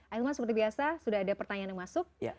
akhirnya seperti biasa sudah ada pertanyaan yang masuk